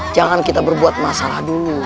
jangan kita berbuat masalah dulu